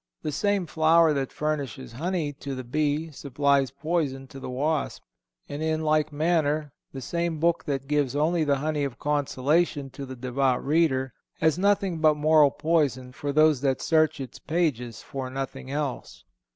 The same flower that furnishes honey to the bee supplies poison to the wasp; and, in like manner, the same book that gives only the honey of consolation to the devout reader has nothing but moral poison for those that search its pages for nothing else.